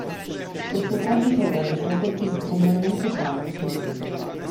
Questo tragico evento colpì profondamente Fanti.